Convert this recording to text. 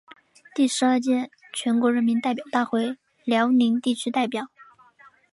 第十二届全国人民代表大会辽宁地区代表。